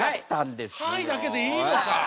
「ハイ！」だけでいいのか。